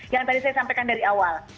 yang tadi saya sampaikan dari awal